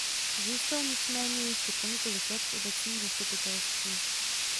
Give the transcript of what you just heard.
Zůstal nicméně ještě po několik let v obecním zastupitelstvu.